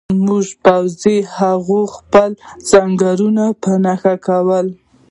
زموږ پوځ د هغوی خپل سنګرونه په نښه کول